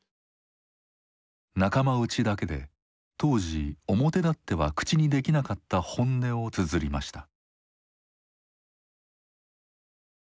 仲間内だけで当時表だっては口にできなかった本音をつづりました。